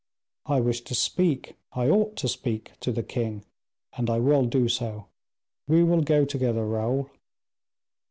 I wish to speak, I ought to speak, to the king, and I will do so. We will go together, Raoul."